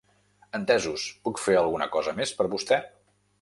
Entesos, puc fer alguna cosa més per vostè?